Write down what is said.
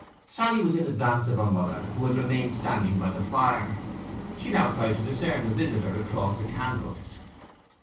Sally was in advance of her mother, who had remained standing by the fire. She now tried to discern the visitor across the candles.